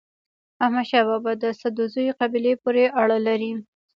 احمد شاه بابا د سدوزيو قبيلې پورې اړه لري.